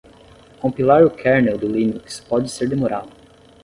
Compilar o kernel do Linux pode ser demorado.